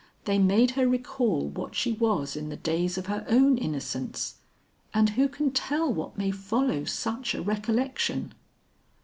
They made her recall what she was in the days of her own innocence; and who can tell what may follow such a recollection."